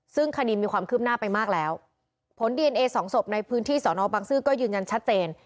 ซึ่งคดีมีความคืบหน้าไปมากแล้วผลดีเอนเอสองศพในพื้นที่สอนอบังซื้อก็ยืนยันชัดเจน